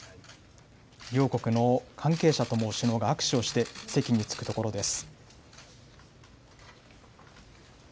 両国の関係者とも首脳が握手をして、席につくところです。